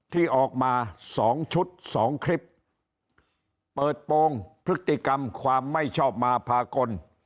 ที่ออกมาสองชุดสองคลิปเปิดโปรงพฤติกรรมความไม่ชอบมาพากล